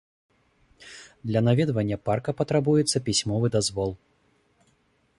Для наведвання парка патрабуецца пісьмовы дазвол.